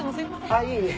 ああいえいえ。